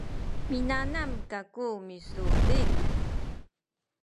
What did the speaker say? minanam kaku misulit